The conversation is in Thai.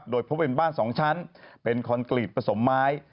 โดยพบเป็นบ้าน๒ชั้นเป็นคอนกรีตผสมไม้